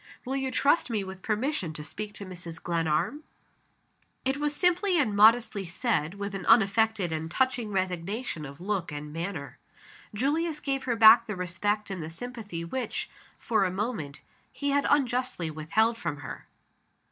Will you trust me with permission to speak to Mrs. Glenarm?" It was simply and modestly said with an unaffected and touching resignation of look and manner. Julius gave her back the respect and the sympathy which, for a moment, he had unjustly withheld from her.